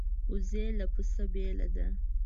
وزې له پسه بېله ده